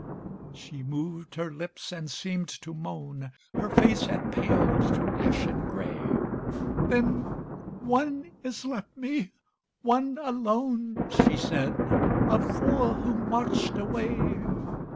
She moved her lips and seemed to moan. Her face had paled to ashen grey: "Then one is left me one alone," She said, "of four who marched away.